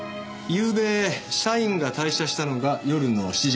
ゆうべ社員が退社したのが夜の７時ごろ。